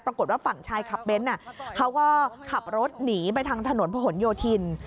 ปรากฏว่าฝั่งชายขับเบ้นเขาก็ขับรถหนีไปทางถนนผนโยธิน